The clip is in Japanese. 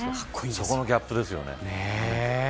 そこのギャップですよね。